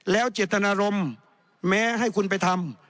แล้วเจตนารมณ์แม้ให้คุณไปทำ